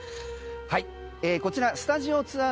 こちら、スタジオツアー